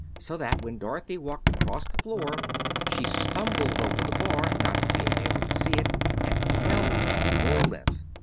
So that when Dorothy walked across the floor she stumbled over the bar, not being able to see it, and fell at full length.